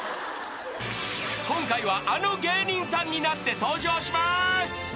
［今回はあの芸人さんになって登場します］